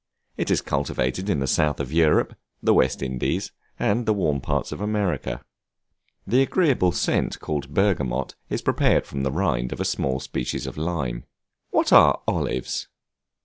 It is cultivated in the South of Europe, the West Indies, and the warm parts of America. The agreeable scent called Bergamot is prepared from the rind of a small species of lime. What are Olives?